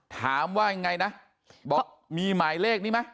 ถามว่ายังไงนะบอกมีหมายเลขนี้ไหม